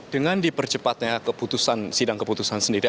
dengan dipercepatnya keputusan sidang keputusan sendiri